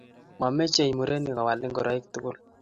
Mamechei murenik kowal ngoroik tugul